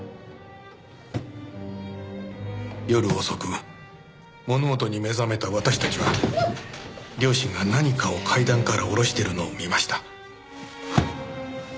夜遅く物音に目覚めた私たちは両親が何かを階段から下ろしているのを見ました。